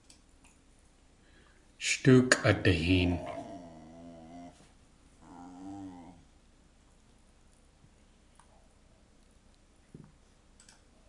Sh tóokʼ adiheen.